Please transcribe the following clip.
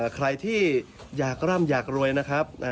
ใครที่อยากร่ำอยากรวยนะครับ